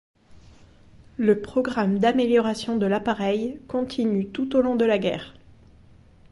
Le programme d'amélioration de l'appareil continue tout au long de la guerre.